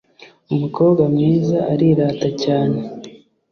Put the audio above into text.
umukobwa mwiza arirata cyane